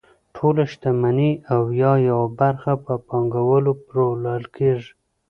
ټوله شتمني او یا یوه برخه په پانګوالو پلورل کیږي.